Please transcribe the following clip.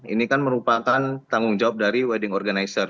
ini kan merupakan tanggung jawab dari wedding organizer